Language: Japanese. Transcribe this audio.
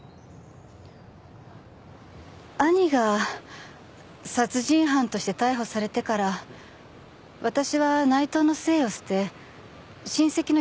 兄が殺人犯として逮捕されてから私は内藤の姓を捨て親戚の養女になりました。